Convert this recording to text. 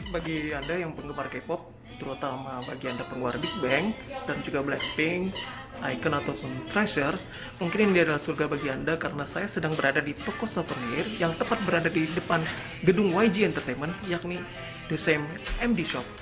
bagi anda yang penggemar k pop terutama bagi anda penggemar big bang dan juga blackpink icon ataupun pressure mungkin ini adalah surga bagi anda karena saya sedang berada di toko souvenir yang tepat berada di depan gedung yg entertainment yakni the same md shop